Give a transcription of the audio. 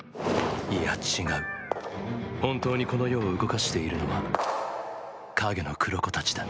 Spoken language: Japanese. いや違う本当にこの世を動かしているのは影の黒衣たちだ。